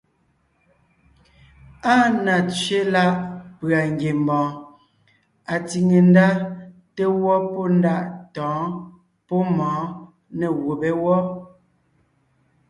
Áa na tsẅé láʼ pʉ̀a ngiembɔɔn atsìŋe ndá té gwɔ́ pɔ́ ndaʼ tɔ̌ɔn pɔ́ mɔ̌ɔn nê gùbé wɔ́.